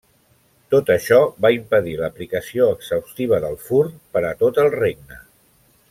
Tot això va impedir l'aplicació exhaustiva del fur per a tot el regne.